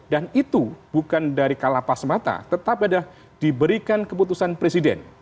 dan itu bukan dari kalapas mata tetap ada diberikan keputusan presiden